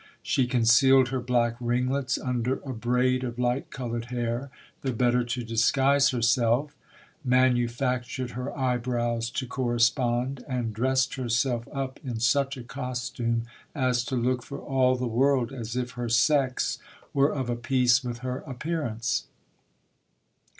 She concealed her black ringlets under a braid of light coloured hair, the better to disguise herself ; manu re ured her eyebrows to correspond, and dressed herself up in such a costume, as <o look for all the world as if her sex were of a piece with her appearance.